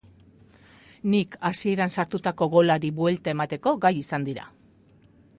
Nik hasieran sartutako golari buelta emateko gai izan dira.